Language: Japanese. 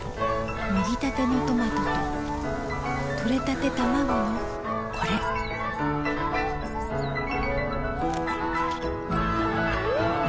もぎたてのトマトととれたてたまごのこれん！